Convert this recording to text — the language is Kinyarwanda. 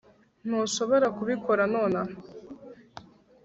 Ntushobora kubikora nonaha